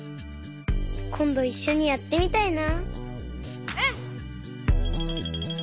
こんどいっしょにやってみたいな。